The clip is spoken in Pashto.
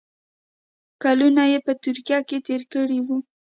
کلونه یې په ترکیه کې تېر کړي وو.